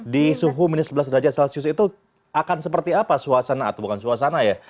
di suhu minus sebelas derajat celcius itu akan seperti apa suasana atau bukan suasana ya